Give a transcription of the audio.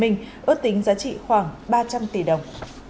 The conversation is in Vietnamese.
ước tính giá trị khoảng ba trăm linh tỷ đồng